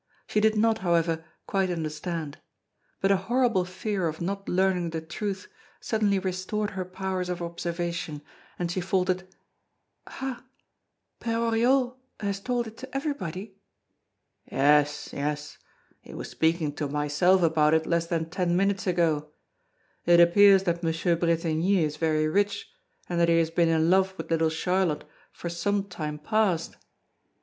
She did not, however, quite understand; but a horrible fear of not learning the truth suddenly restored her powers of observation, and she faltered: "Ha! Père Oriol has told it to everybody?" "Yes, yes. He was speaking to myself about it less than ten minutes ago. It appears that M. Bretigny is very rich, and that he has been in love with little Charlotte for some time past.